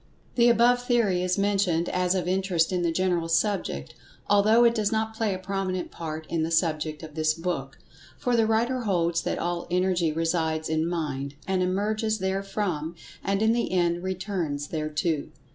The above theory is mentioned as of interest in the general subject, although it does not play a prominent part in the subject of this book, for the writer holds that all Energy resides in Mind, and emerges therefrom, and, in the end, returns thereto.